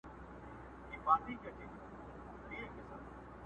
دی هم بل غوندي اخته په دې بلا سو!.